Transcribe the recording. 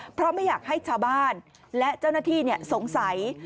เพราะไม่อยากให้ชาวบ้านและเจ้าหน้าที่สงสัย